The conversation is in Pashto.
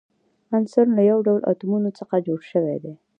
عنصر له یو ډول اتومونو څخه جوړ شوی وي.